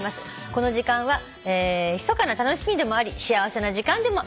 「この時間はひそかな楽しみでもあり幸せな時間でもあります」